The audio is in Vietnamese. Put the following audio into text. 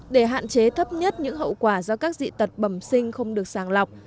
để hạn chế thấp nhất những hậu quả do các dị tật bẩm sinh không được sàng lọc